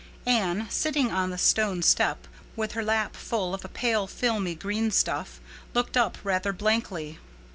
Anne, sitting on the stone step with her lap full of a pale, filmy, green stuff, looked up rather blankly.